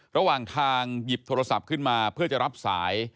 ระหว่างทางหยิบโทรศัพท์ขึ้นมาเพื่อจะรับสาย